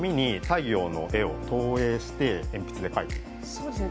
そうですよね。